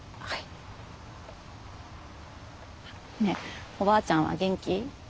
あっねえおばあちゃんは元気？